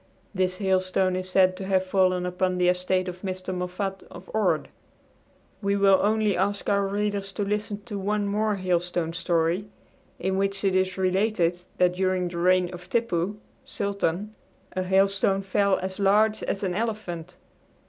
This hailstone is said to have fallen upon the estate of Mr. Moffat of Ord. We will only ask our readers to listen to one more hailstone story, in which it is related that during the reign of Tippoo, sultan, a hailstone fell as large as an elephant.